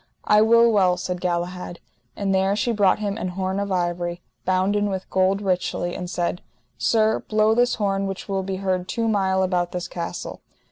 I will well, said Galahad. And there she brought him an horn of ivory, bounden with gold richly, and said: Sir, blow this horn which will be heard two mile about this castle.